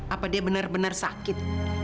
apa dia benar benar sakit